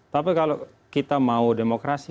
tapi kalau kita mau demokrasi